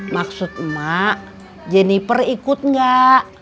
maksud emak jeniper ikut enggak